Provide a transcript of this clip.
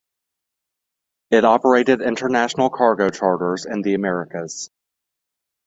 It operated international cargo charters in the Americas.